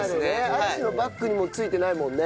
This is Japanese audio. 嵐のバックにもついてないもんね。